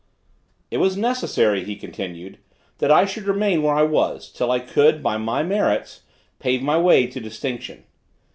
It was necessary, he continued, that I should remain where I was, till I could, by my merits, pave my way to distinction.